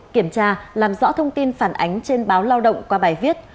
kiểm tra làm rõ thông tin phản ánh trên báo lao động qua bài viết